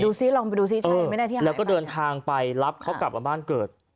ดูซิลองไปดูซิใช่ไหมแล้วก็เดินทางไปรับเขากลับมาบ้านเกิด